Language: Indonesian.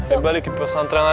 ayo balik ke pesantren aja